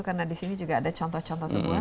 karena di sini juga ada contoh contoh tumbuhan